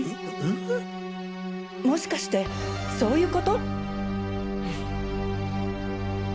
もしかしてそういう事？